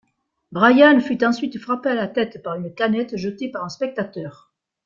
Brian fut ensuite frappé à la tête par une canette, jeté par un spectateur.